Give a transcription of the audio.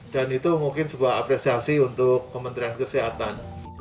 dan itu mungkin sebuah apresiasi untuk kementerian kesehatan